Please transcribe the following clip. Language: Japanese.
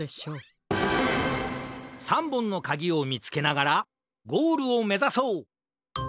３ぼんのかぎをみつけながらゴールをめざそう！